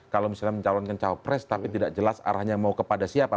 kalau misalnya mencalonkan cawapres tapi tidak jelas arahnya mau kepada siapa